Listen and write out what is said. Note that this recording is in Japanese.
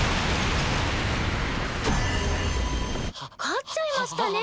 勝っちゃいましたね。